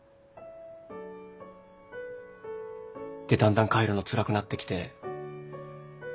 でだんだん帰るのつらくなってきて。